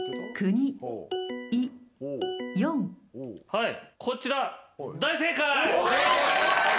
はいこちら。